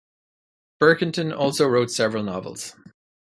Bickerton also wrote several novels.